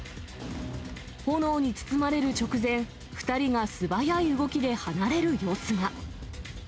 炎に包まれる直前、２人が素早い動きで離れる様子が。